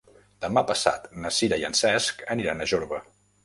Demà passat na Sira i en Cesc aniran a Jorba.